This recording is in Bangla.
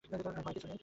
আর ভয়ের কিছু নেই।